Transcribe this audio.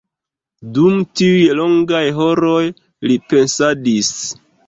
Dum tiuj longaj horoj li pensadis.